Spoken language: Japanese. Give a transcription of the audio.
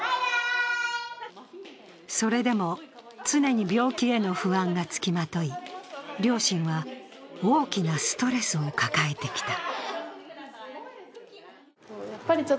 それでも常に病気への不安が付きまとい両親は、大きなストレスを抱えてきた。